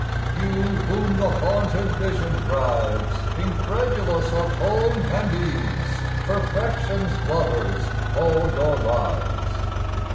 You whom the haunted vision drives, Incredulous of home and ease, Perfection's lovers all your lives!